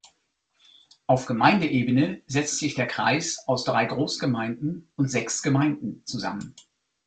Auf Gemeindeebene setzt sich der Kreis aus drei Großgemeinden und sechs Gemeinden zusammen.